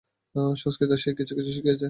সংস্কৃত সে কিছু কিছু শিখিয়াছে।